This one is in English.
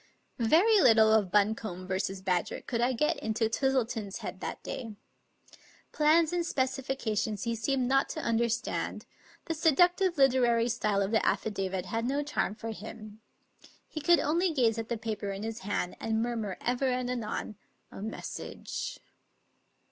Very little of Buncombe v. Badger could I get into Twis tleton's head that day. Plans and specifications he seemed not to understand; the seductive literary style of the affi davit had no charm for him. He could only gaze at the paper in his hand, and murmur ever and anon, " A mes sage!"